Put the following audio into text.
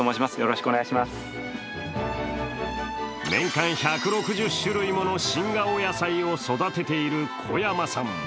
年間１６０種類もの新顔野菜を育てている小山さん。